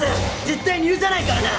絶対に許さないからな！